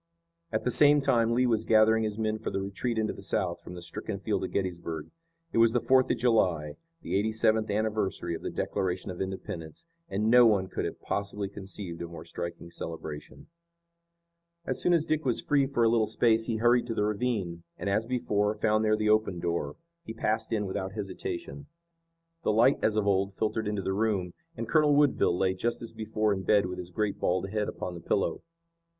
At the same time Lee was gathering his men for the retreat into the South from the stricken field of Gettysburg. It was the Fourth of July, the eighty seventh anniversary of the Declaration of Independence, and no one could have possibly conceived a more striking celebration. As soon as Dick was free for a little space he hurried to the ravine, and, as before, found there the open door. He passed in without hesitation. The light as of old filtered into the room, and Colonel Woodville lay just as before in bed with his great bald head upon the pillow.